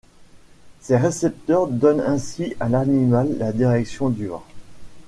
Ces récepteurs donnent ainsi à l'animal la direction du vent.